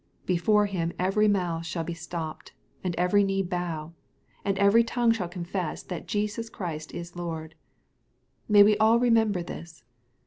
Before him every mouth shall be stopped, and every knee bow, and every tongue shall confess that Jesus Christ is Lord. May we all remember this.